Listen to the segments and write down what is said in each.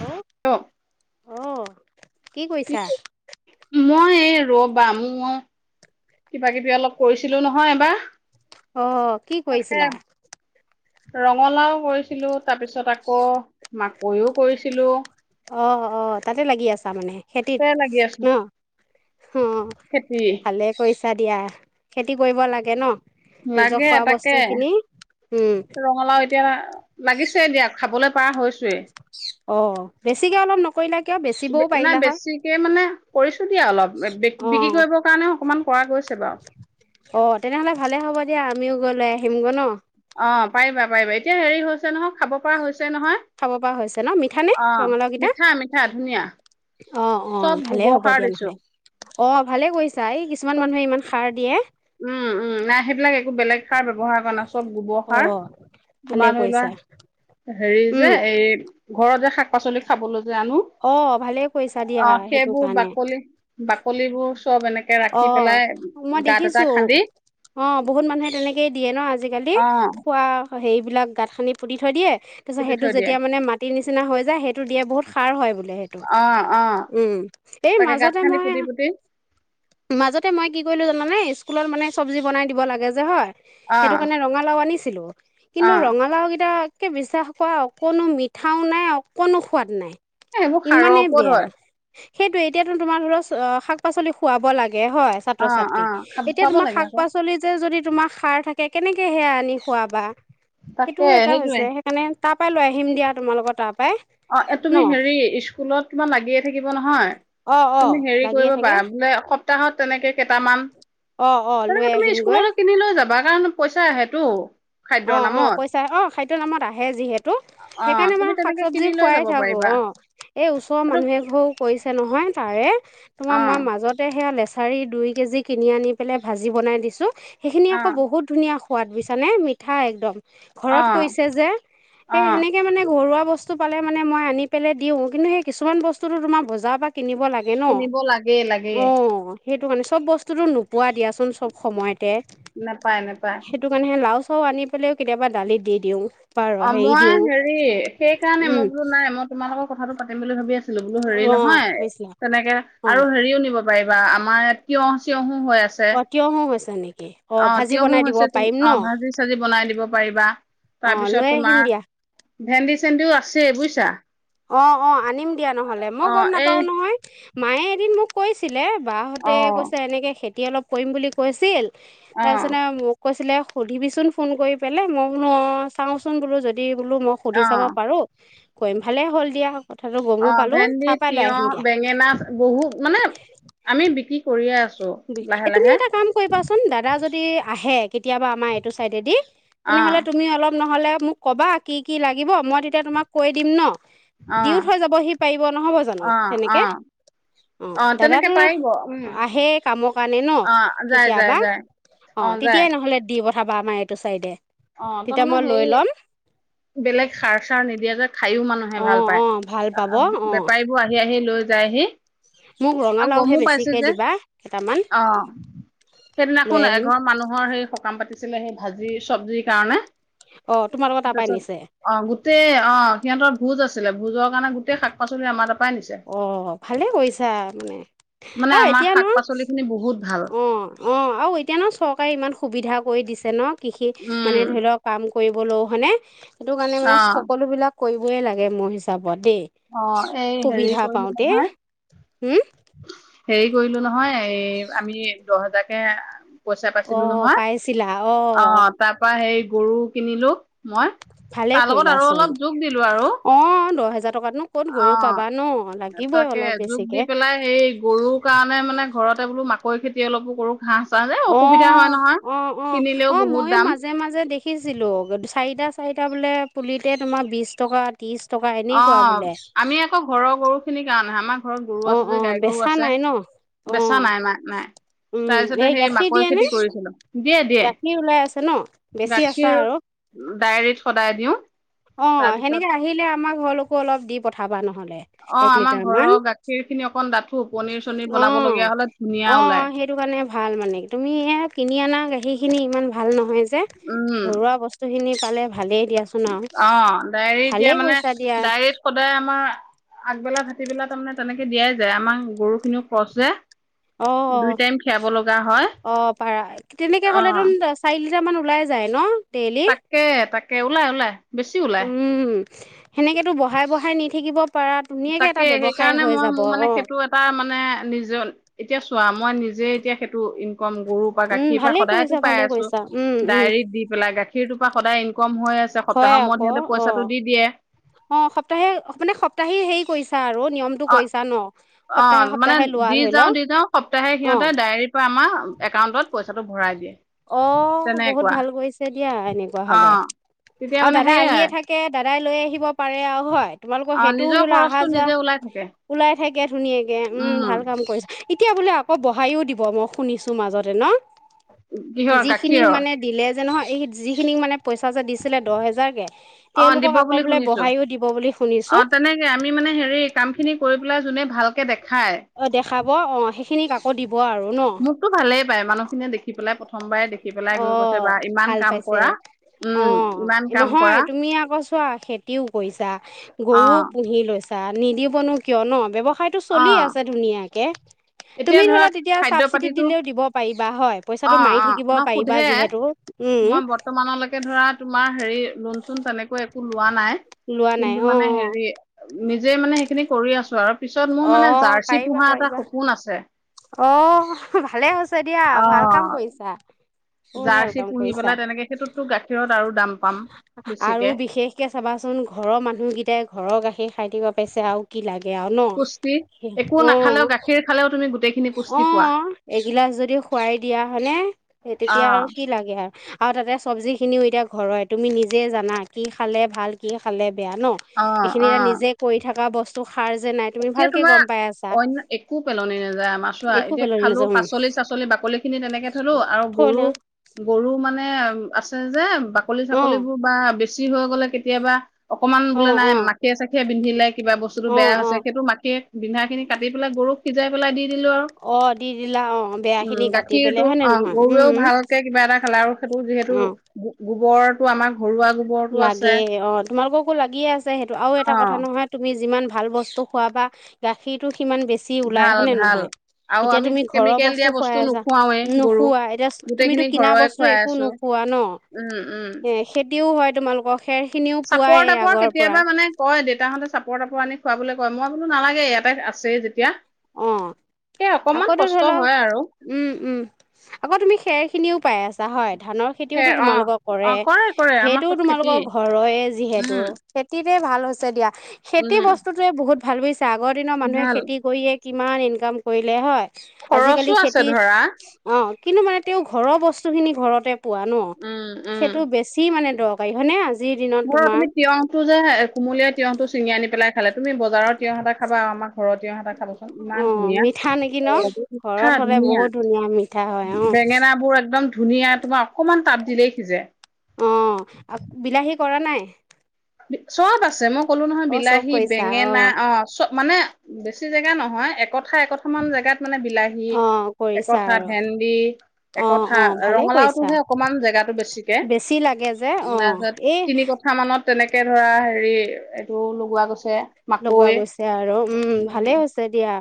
Hello! কি অ'। কি কৰিছা? মই এই ৰবা মোৰ, কিবা কিবি অলপ কৰিছিলোঁ নহয় এইবা। অ', কি কৰিছিলা? ৰঙালাও কৰিছিলোঁ, তাৰপিছত আকৌ মাকৈও কৰিছিলোঁ। অ', অ', তাতে লাগি আছা মানে। খেতিত, তে লাগি আছো ন? অ', খেতি ভালে কৰিছ বা দিয়া, খেতি কৰিব লাগে ন। নিজৰ লাগে খোৱা তাকে। বস্তু খিনি উম, ৰঙালাও এতিয়া লাগিছে দিয়া। খাবলৈ পাৰা হৈছু [unintelligible] অ', বেছিকে অলপ নক বে, নাই বেছিকে মানে কৰিছ দিয়া অলপ। বি-বিক্ৰী অ', কৰিবৰ কাৰণে অকমান কৰা গৈছে বাৰু। অ', তেনেহ'লে ভালে হ'ব দিয়া আমিও গৈ লৈ আহিমগৈ ন। অ পাৰিবা পাৰিবা এতিয়া হেৰি হৈছে নহয় খাব পৰা হৈছে নহয় খাব পৰা হৈছে ন মিঠা নে অ ৰঙালাওকেইটা? মিঠা মিঠা ধুনীয়া অ, অ, চব ভালে গোবৰ হব সাৰ দিয়া দিছো নহলে। অ, ভালে কৰিছে। চাই কিছুমান চব মানুহে ইমান সাৰ দিয়ে। উম উম নাই সেইবিলাক এক বেলেগ সাৰ ব্যৱহাৰ কৰা নাই চব গোবৰ সাৰ। অ', ভালে তোমাৰ ধৰি লোৱা কৰিছা হেৰি উম। যে এই ঘৰত যে শাক পাচলি খাবলৈ যে আনো অ ভালেই কৰিছা দিয়া অ সেইটো সেইবোৰ কাৰণে বাকলি বাকলিবোৰ চব এনেকে অ ৰাখি পেলাই মই গাত দেখিছো অ বহুত মানুহে তেনেকেই দিয়ে ন আজিকালি অ খোৱা সেইবিলাক গাঁতখিনি পুতি থৈ দিয়ে তাৰপিত পুতি সেইটো থৈ দিয়ে যেতিয়া মানে মাটি নিচিনা নিচিনা হৈ যায় সেইটো দিয়ে বহুত সাৰ হয় সেইটো। অ অ উম। এই তাকে গাঁত মাজতে খান্দি মই পুতি পুতি মাজতে মই কি কৰিলোঁ জানানে স্কুলত মানে চব্জি বনাই দিব লাগে যে হয় অ সেইটো কাৰণে ৰঙালাও আনিছে [inaudible] অ কিন্তু এ ৰঙালাও গিটা তাকে বিশ্বাস কৰা অকণো মিঠাও নাই অকণো সোৱাদ নাই এই বোৰ সাৰৰ ওপৰত হয়। সেইটো এতিয়াতো তোমাৰ ধৰ অ শাক পাচলি খুৱাব লাগে হয় ছাত্ৰ অ অ ছাত্ৰীক খাব এতিয়া খুৱাব তোমাৰ লাগে শাক আকৌ পাচলিত যে যদি তোমাৰ সাৰ থাকে কেনেকে সেয়া আনি খোৱাবা। তাকে সেইটোও এটা সেইটোৱে হৈছে সেইকাৰণে তাত পাই লৈ আহম দিয়া তোমালোকৰ তাত অ এ তুমি হেৰি স্কুলত তোমাৰ লাগিয়ে থাকিব একো নহয় অ অ তুমি হেৰি লাগিয়ে কৰিব থাকে পাৰা বোলে সপ্তাহত তেনেকে কেইটামান অ অ লৈ তেনেকে তুমি আহিমগৈ স্কুললৈ কিনি লৈ যাবা। ক পইচা আহ টো অ অ পইচা অ খাদ্যৰ নামত আহে যিহেতু অ সেইকাৰণে আ তুমি মম শাক তেনেকে চবজি কিনি লৈ খোৱাই যাব থাকো পাৰিবা অ এই ওচৰৰ এইটো মানুহে ঘৰও কৰিছে নহয় [unintelligible] তোমাৰ অ মই মাজতে সেয়া লেচ ঠাৰি দুই কেজি কিনি আনি পেলাই ভাজি বনাই দিছোঁ। সেইখিনি অ আকৌ বহুত ধুনীয়া সোৱাদ বিচনে মি থা একদম অ ঘৰত কৈছে যে অ সেই সেনেকে মানে ঘৰুৱা বস্তু পালে মানে মই আনি পেলে দিওঁ, কিন্তু সেই কিছুমান বস্তুটো তোমাৰ বজাৰৰ পৰা কিনিব লাগে ন, কিনিব লাগেই লাগেই অ সেইটো কাৰণে চব বস্তুটো নোপোৱা দিয়া [unintelligible] চব সময়তে নেপায় নেপায় সেইটো কাৰণেহে লাউজ অ আনি পেলেও কেতিয়াবা দালিত দি দিওঁ। বা অ হেৰি মই দিওঁ হেৰি সেই কাৰণে উম মই বোলো নাই, মই তোমাৰ লগত কথাটো পাতিম বুলি ভাবি আছি বোলো হেৰি অ নহয় হৈছিলে তেনেকে অ আৰু হেৰিও নিব পাৰিবা আম [unintelligible] অ কিয় হ হৈছ [inaudible] অ তিয়হো হৈছে তুম অ ভাজি সবজি বনাই দিব পাৰিবা, অ লৈ তাৰপিছত আহিম তোমাৰ দিয়া ভেন্দি চেন্দিও আছে বুইচ [inaudible] অ অ আনিম দিয়া নহ'লে, মই গম এই নাপাওঁ নহয়। মায়ে এদিন মোক কৈছিলে বা হঁতে অ কৈছে এনেকে খেত কি অলপ পৰিম বুলি কৈছিল অ তাৰ চানা মোক কৈছিলে সুধিবিচোন ফোন কৰি পেলাই মই বোলো অ চাওঁচোন বোলো যদি বোলো মই অ সুধি চাব পাৰো [unintelligible] ভালে হ'ল দিয়া স অ ভেন্দি, তিয়হ, বেঙেনা বহুত মানে আমি বিক্ৰী কৰিয়ে আছ [unintelligible] এ তুমি এটা কাম কৰিবা চোন, দাদা য তি আহে কেতিয়াবা আমাৰ এইটো ছাইডেদি। অ তেনেহ'লে তুমি অলপ নহ'লে মোক কবা কি কি লাগিব, মই তেতিয়া তোমাক কৈয়ে দিম ন। অ দিয়ো থৈ যাবহি পাৰিব নহ'ব জানো অ অ তেনেকে, অ তেনেকে দাদাটো পাৰিব উম আহে কামৰ কাৰণে ন? অ যায় যায় কেতিয়াবা, যায় অ', তেতিয়াই নহলে দিব প ধাবা আমাৰ এইটো চাইডে অ তেতিয়া তাৰমানে মই লৈ সেই ল'ম বেলেগ সাৰ চাৰ নিদিয়া যে খায়ো মানুহে অঁ ভাল পাই। অঁ ভাল পাব অঁ বেপাৰীবোৰে আহি লৈ যাইহি। মোক আৰু ৰঙালাওহে গমো পাইছো বেছিকৈ যে দিবা কেইটামান অ লৈ সেইদিনাখন আহিম এঘৰ মানুহৰ সেই সকাম পাতি সেই ভাঁজি চবজি কাৰণে অঁ তোমালোকৰ তাৰপৰাই তাৰপাছত নিছে অ গোটেই অ সিহঁতৰ ভোজ আছে ভোজৰ কাৰণে গোটেই শাক-পাচলি আমাৰ তা অ', ভালে কৰিছা মানে মানে আৰু আমাৰ এতিয়া ন, শাক পাচলি খিনি বহুত ভাল অ', অ', আৰু এতিয়া ন, চৰকাৰে ইমান সুবিধা কৰি দিছে। [unintelligible] কৃষি মানে উম ধৰি লওক কাম কৰিবলৈও, হয়নে? সেইটো কাৰণে মানে অ সকলোবিলাক কৰিবয়েই লাগে মোৰ হিচাপত অ এই [unintelligible] হেৰি সুবিধা কৰিলো পাওঁতেই নহয় হম্ হেৰি কইলো নহয় আমি দহ হাজাৰকে - - পইচা অ পাইছিলো নহয়, পাইছিলা অ তাৰপা সেই গৰু কিনিলো। মই, ভালে তাৰ লগত আৰু কৰিলাচোন অলপ যোগ দিলো আৰু - - অ [unintelligible] [inaudible] অ' পাবা ন লাগিবই তাকে অলপ যোগ দি বেছিকে পেলাই হেৰি গৰু কাৰণে মানে ঘৰতে বোলো - - পই খেতি অলপো কৰো ঘাঁহ চাহ যে অসুবিধা হয় অ', নহয় অ', অ', কিনিলেও অ', বহুত ময়ো দাম মাজে মাজে দেখিছিলো চাৰিটা চাৰিটা বোলে পুলিতে তোমাৰ বিচ্ টকা ত্ৰিশ টকা এনেকুৱা বোলে আমি আকৌ ঘৰৰ গৰু খিনিকে [unintelligible] ঘৰত গৰু অ আছে অ যে গাই গৰু বেচা আছে নাই ন অ বেচা নাই নাই নাই উম তাৰ পিছতে এই সেই গাখীৰ মাকৈ দিয়ে নে খেতি কৰিছিলো দিয়ে দিয়ে। গাখীৰ ওলাই আছে ন বেছি আছা গাখীৰ আৰু ডেইৰীত সদায় দিওঁ। অ', তাৰপিছত সেনেকে আহিলে আমাৰ ঘৰলো মোকো অলপ দি পঠাবা ন। নহ'লে, অ', এক আমাৰ ঘৰৰ লিটাৰমান। গাখীৰ খিনি অকন ডাঠো পনিৰ চনিৰ বনাব অ'। অ', লগীয়া হ'লে ধুনীয়া ওলাই অ', সেইটো কাৰণে ভাল মানে। তুমি এই কিনি আনা গাখ সেইখিনি ইমান ভাল নহয়, [unintelligible] [unintelligible] উম, ঘৰুৱা বস্তু খিনি পালে ভালেই দিয়াচোন আৰু। অ', ডায়েৰী এতিয়া ভালেই মানে কৈছা দিয়া ডায়েৰীত সদায় আমাৰ আগবেলা থা ভাটিবেলা তাৰমানে তেনেকে দিয়াই যায়, আমাৰ গৰুখিনিও ক্ৰচ যে। অ', দুই অ'। টাইম খীৰাব লগা হয় অ' পাৰা। তেনেকেহ'লে অ', তোন চাৰি [unintelligible] মান ওলাই যায় ন? ডেইলি তাকে, তাক কেওলা ওলাই। বেছি ওলাই। উম, সেনেকেতো ব বঢ়াই বঢ়াই নি থাকিব পাৰা ধুনীয়াকে এটা তাকে, ব্যৱসায় সেইকাৰণে হৈ মই যাব মোৰ মানে অ সেইটো এটা মানে নিজৰ- এতিয়া চোৱা মই নিজে এতিয়া সেইটো [unintelligible] কম গৰুৰ পৰা উম গাখীৰ পৰা ভালে সদায়টো কৰিছা পাই ভালে আছোঁ, কৰিছা উম উম ডায়ৰিত দি পেলাই গাখীৰটোৰ পৰা সদায় ইনক'ম মহৈ আছে, হয় সপ্তাহৰ মূৰত আকৌ সিহঁতে অ পইচাটো দি দিয়ে। অ' সপ্তাহে, মানে সপ্তাহী হেৰি কৰিছ অ', অ', মানে, সপ্তাহে লোৱা দি ধৰি যাওঁ, লও দি যাওঁ সপ্তাহে অ সিহঁতে ডায়েৰীৰ পৰা আমাৰ একাউণ্টত পইচাটো ভৰাই দিয়ে। অ', বহুত তেনেকুৱা ভাল কৰিছে দিয়া, এনেকুৱা অ হ'লে। তেতিয়া আৰু মানে দাদা সেইয়াই আহিয়ে থাকে। দাদাই লৈ আহিব পাৰে আৰু হয়। তোমালোকৰ অ সেইটোও নিজৰ ধৰি লোৱা খৰচটো অহা-যোৱা। নিজে ওলাই থাকে ওলাই থাকে ধুনীয়াকে। উম, ভাল কাম কৰিছা। এতিয়া বোলে আকৌ বঢ়াইও দিব। মই শুনিছো মাজতে। ন? কিহৰ যিখিনিক গাখীৰৰ মানে দিলে? [unintelligible] যে নহয়, এই যিখিনি মানে পইচা যে দিছিলে দহ হেজাৰকে, অ দিব তেওঁলোকক আকৌ বুলি বোলে শুনিছো। বহাইও দিব বুলি অ শুনিছোঁ। বোলে জোনে ভালকে দেক অ', দেখাব অ'। খিনিক আকৌ দিব। হ'ব আৰু ন? [unintelligible] মানুহখিনিয় দেখিপেলাই প্ৰথমবাৰে দেখি পেলাই অ গৈ কৈছে বা ইমান ভাল কাম পাইছে কৰা অ উম ইমান কাম নহয় কৰা তুমি আকৌ চোৱা খেতিও কৰিছা অ গৰুও পুহি লৈছা নিদিবনো কিয় ন ব্যৱস্থ [unintelligible] খায়টো অ চলি আছে ধুনীয়াকে এতিয়া তুমি ধৰা ধৰিলোৱা তেতিয়া খাদ্য চাবচিটি পাতিটো দিলেও দিব পাৰিবা হয় অ পইচাটো মাৰি অ থাকিব ন পাৰিবা সোধে যিহেতু উম মই বৰ্তমানলৈকে ধৰা তোমাৰ হেৰি লোণ চোন তেনেকৈ একো লোৱা নাই লোৱা নাই কিন্তু অ মানে অ হেৰি নিজে মানে সেইখিনি কৰি আছো আৰু পিছত মোৰ অ অ মানে জাৰ্চি পাৰিবা পোহা এটা পাৰিবা সপো [inaudible] অ ভালে হৈছে দিয়া ভাল অ কাম কৰিছা বহুত ভাল জাৰ্চি কাম পুহি কৰিছা। পেলাই তেনেকে সেইটোততো গাখীৰত আৰু দাম পাম বেছিকে আৰু বিশেষকে চাবাচোন ঘৰৰ মানুহকিটাই ঘৰৰ গাখী সেই খাই থিব পাইছে আও কি লাগ [unintelligible] গেযাঁও ন [inaudible] একো অ নাখালেও গাখীৰ খালেও [unintelligible] অ পোৱা। এগিলাচ যদি খোৱাই দিয়া হলে তেতিয়া আৰু অ', কি লাগে আৰু আৰু তাতে চব্জিখিনিও এতিয়া ঘৰয়ে হয় তুমি নিজে জানা কি খালে ভাল কি খালে বেয়া ন অ', এইখিনিয়ে অ'। নিজে কৰি থাকা বস্তু [unintelligible] যে নাই তুমি এতিয়া ভালকে তোমাৰ গম পাই আছা অন্য একো পেলনি নে [unintelligible] মাছো একো এতিয়া পেলনি খালো নাযায় উম পাচলি চাচলি বাকলি খিনি তেনেকে থলো আৰু থল গৰু গৰু মানে আছ চজাম বাকলি অ চাকলী বোৰ বা [unintelligible] [unintelligible] ছি হৈ গলে কেতিয়াবা অকমান অ বোলে নাই অ মাখিয়ে চাখিয়ে পিন্ধিলে কিবা বস্তুতো অ বেয়া অ হৈছে মাটিয়ে বিন্ধা খিনি কাটি পেলাই গৰুক সিজাই পেলাই দি দিলোঁ আও অ দি দিলা অ বেয়া উ খিনি কাটি গাখীৰটো পেলাই হয় নে অ নহয় গৰুৱেও উম ভালকে কিবা এটা খালে আৰু সেইটো যিহেতু অ [inaudible] গোবৰটো আমাক লাগে অ তোমালোককো লাগিয়ে আছে সেইটো আৰু এটা কথা অ' নহয় তুমি যিমান ভাল বস্তু খোৱা পা গাখীৰটো সিমান বেছি ওলাই ভাল হয়নেে ভাল। নহয় আৰু এতিয়া আমি তুমি ঘৰৰ কেমিকেল বস্তু দিয়া খুৱাই আছা নোখুৱাওৱে গৰুক। নোখোৱা এতিয়া তুমিতটো গোটেইখিনি কিনা ঘৰৰে বস্তু খুৱাই একো আছো নোখোৱা ন উম, উম। এ খেতিও হয় তোমালোকক চাপৰ তাপৰ কেতিয়াবা মানে কয়, দেউতাহঁতে চাপৰ তাপৰ আনে। খোৱাবলৈ কয়, মই বোলো নালাগে এটাই আছেই যেতিয়া। অ'। সেই অকমান আকৌটো কষ্ট ধৰি লওক, হয় আৰু উম, উম, আকৌ তুমি খেৰখিনিও পাই আছা। [unintelligible] ধানৰ সে খেতিওতো অ' তোমালোকৰ কৰে। অ' কৰে আমাৰ সেইটোও চব তোমালোকৰ খেতিয়ে ঘৰৰে যিহেতু উম, খেতিত [unintelligible] ভাল হৈছে দিয়া। খেতি উম বস্তুটোয়ে বহুত ভাল [unintelligible] আগৰ দিনৰ মানুহে ভাল খেতি কৰিয়েই কিমান ইনকাম কৰিলে হয়। আজিকালি খৰচো আছে খেতিৰ, ধৰা অ' কিন্তু মানে তেওঁ ঘৰৰ বস্তুখিনি ঘৰতে পোৱা ন? উম, সেইটো বেছি মানে [unintelligible] হয়নে আজিৰ দিনত মই তোমাৰ আপুনি তিয়হটো যে কুমলীয়া তিয়হটো ছিঙি আনি পেলাই খালে, তুমি বজাৰ [unintelligible] খাবা আমাক ঘৰৰ তিঁয়হ এটা খাবচোন। অ ইমান ধুনীয়া! মিঠা নেকি ন [inaudible] উঠা ঘৰত হলে ধুনীয়া! বহুত মিঠা হয় অ বেঙেনাবোৰ একদম ধুনীয়া, তোমাৰ অকণমান তাপ দিলেই সিজে। অ'। বিলাহী কৰা নাই? [unintelligible] চব আছে, মোক কলো নহয় অ চব বিলাহী, কৰিছা বেঙেনা অ' চব মানে বেছি জেগা নহয়, একঠা একঠা মান জেগাত মানে বিলাহী, অ কৰিছা একঠা আৰু ভেন্দি, অ', একঠা অ', ভালে কৰিছা ৰঙালাওতোহে অকমান জেগাতটো বেছিকে। বেছি লাগে যে অ', তাৰপিছত এই তিনি কঠা মানত তেনেকৈ ধৰা হেৰি এইটো লগোৱা গৈছে। লগোৱা মাকৈ গৈছে আৰু উম ভালে হৈছে দিয়া।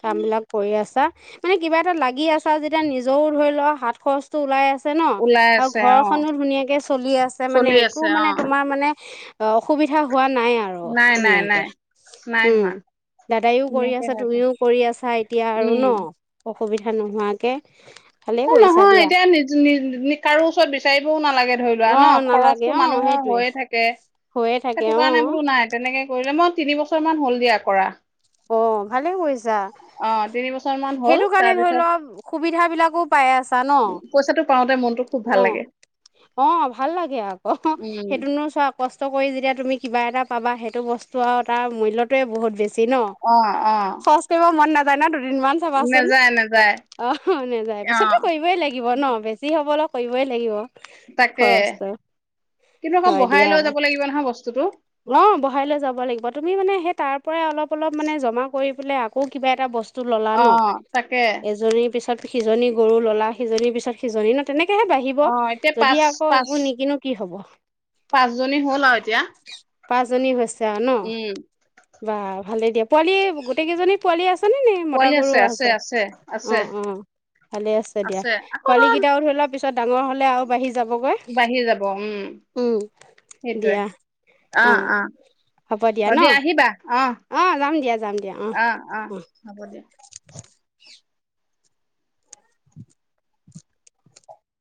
কাম বিলাক কৰি আছা, মানে কিবা এটা লাগি আছা যেতিয়া নিজৰও ধৰি লোৱা হাত খৰচটো ওলাই [inaudible] আছে ন? ওলাই আৰু আছে অ ঘৰখনো ধুনীয়াকে চলি আছে মানে চলি আছে একো অ মানে তোমাৰ মানে অ', অসুবিধা হোৱা নাই আৰু নাই নাই ধুনীয়াকে। নাই নাই উম হোৱা দাদায়ও কৰি ধুনীয়াকে আছা, হৈছে তুমিও কৰি আছা এতিয়া আৰু ন? উম অসুবিধা নোহোৱাকে ভালে অ কৰিছা নহয় দিয়া এতিয়া নিজ নি কাৰো ওচৰত বিচাৰিবও নালাগে। ধৰি লোৱা ন অ', নালাগে খৰচটো অ', মানুহৰ সেইটোৱে হৈয়ে থাকে। হৈয়ে থাকে সেইটো কাৰণে অ', বোলো নাই তেনেকে কৰিলে মই তিনি বছৰ মান হল দিয়া কৰা। অ ভালে কৰিছা অ তিনি বছৰ মান হ'ল সেইটো কাৰণে ধৰি তাৰপিছত ল সুবিধা বিলাকো পাই আছা ন পইচাটো পাওঁতে মনটো খুব ভাল অ লাগে অ ভাল লাগে আকৌ উম সেইটোনো চোৱা কষ্ট কই যেতিয়া তুমি কিবা এটা পাবা সেইটো বস্তু আৰু তাৰ মূল্যটোৱেই বহুত বেছি ন। অ অ য ন দুদিনমান চাবাচোন নেযায় নেযায় অ হ নেযায় অ পিছতো কৰিবই লাগিব ন বেছি হবল কৰিবই লাগিব। তাকে খৰচটো কিন্তু মই হয় বহাই দিয়া লৈ যাব লাগিব নহয় বস্তুটো। অ বহাই লৈ যাব লাগিব তুমি মানে সেই তাৰ পৰাই অলপ অলপ মানে জমা কৰি বোলে আকৌ কিবা এটা বস্ অ তাকে পিছত সিজনী গৰু ললা সিজনীৰ পিছত সিজনী ন তেনেকে তেহে বাঢ়িব অ এতিয়া পাঁচ যদি আকৌ পাঁচ একো নিকিনো কি হব পাঁচজনী হ'ল আৰু এতিয়া পাঁচজনী হৈছ তে আন উম বাহ ভালে দিয়া পোৱালি গোটেই কেইজনী পোৱালি আছ উ নে মতা গৰু আছে অ অ ভালে আছে দিয়া আকৌ ধৰা পোৱালি কেইটাও ধৰিলা পিছত ডাঙৰ হলে আৰু বাঢ়ি যাবগৈ বাঢ়ি যাব উম উম সেইটোয়ে দিয়া অ অ হ'ব অ ন দিয়া আহিবা অ যাম দিয়া যাম দিয়া অ অ হব দিয়া। [inaudible]